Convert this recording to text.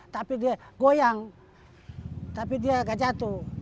tapi dia goyang tapi dia agak jatuh